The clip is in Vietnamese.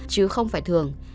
chứ không phải thường